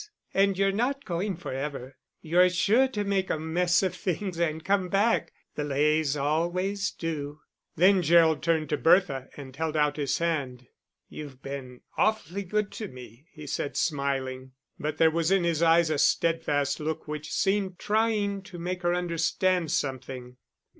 And you're not going for ever. You're sure to make a mess of things and come back the Leys always do." Then Gerald turned to Bertha and held out his hand. "You've been awfully good to me," he said, smiling; but there was in his eyes a steadfast look, which seemed trying to make her understand something.